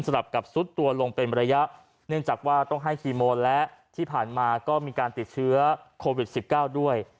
กับซุดตัวลงเป็นระยะเนื่องจากว่าต้องให้คีโมนและที่ผ่านมาก็มีการติดเชื้อโควิด๑๙ด้วย